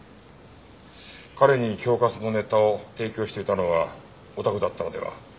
彼に恐喝のネタを提供していたのはおたくだったのでは？